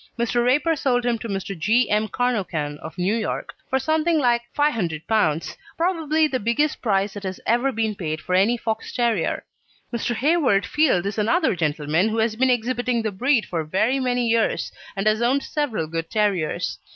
Mr. Raper sold him to Mr. G. M. Carnochan, of New York, for something like P500, probably the biggest price that has ever been paid for any Fox terrier. Mr. Hayward Field is another gentleman who has been exhibiting the breed for very many years, and has owned several good terriers.